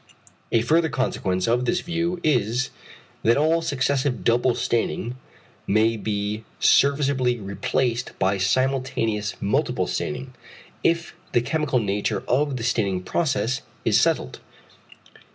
A further consequence of this view is, that all successive double staining may be serviceably replaced by simultaneous multiple staining, if the chemical nature of the staining process is settled.